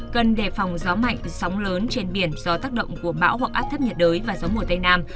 cần đề phòng gió mạnh sóng lớn trên biển do tác động của bão hoặc áp thấp nhiệt đới và gió mùa tây nam